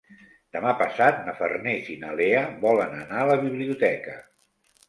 Demà passat na Farners i na Lea volen anar a la biblioteca.